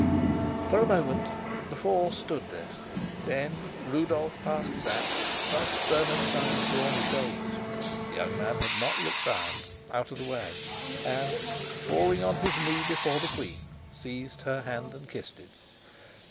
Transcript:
For a moment the four stood thus; then Rudolf passed Sapt, thrust Bernenstein's brawny shoulders (the young man had not looked round) out of the way, and, falling on his knee before the queen, seized her hand and kissed it.